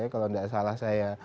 kalau tidak salah saya